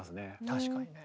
確かにね。